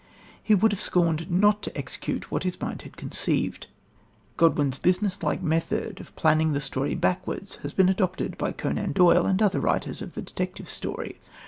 He would have scorned not to execute what his mind had conceived. Godwin's businesslike method of planning the story backwards has been adopted by Conan Doyle and other writers of the detective story.